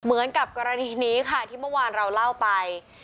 เหมือนกับกรณีนี้ค่ะที่เมื่อวานเราเล่าไป